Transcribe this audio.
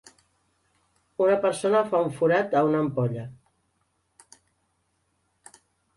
Una persona fa un forat a una ampolla.